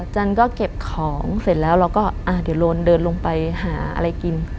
จันก็เก็บของเสร็จแล้วเราก็เดี๋ยวโรนเดินลงไปหาอะไรกิน